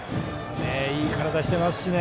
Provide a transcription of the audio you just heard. いい体してますしね。